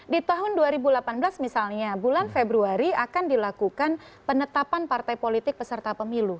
di tahun dua ribu delapan belas misalnya bulan februari akan dilakukan penetapan partai politik peserta pemilu